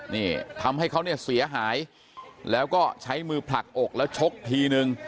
นี่ทำให้เขาเนี่ยเสียหายแล้วก็ใช้มือผลักอกแล้วชกทีนึง